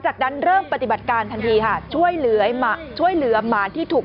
จากนั้นเริ่มปฏิบัติการทันทีค่ะช่วยเหลือมาช่วยเหลือหมาที่ถูก